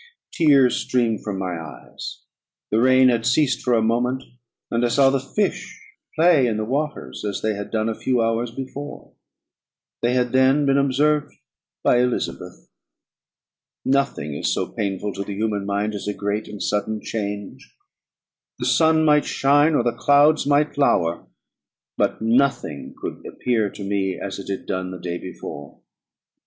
Tears streamed from my eyes. The rain had ceased for a moment, and I saw the fish play in the waters as they had done a few hours before; they had then been observed by Elizabeth. Nothing is so painful to the human mind as a great and sudden change. The sun might shine, or the clouds might lower: but nothing could appear to me as it had done the day before.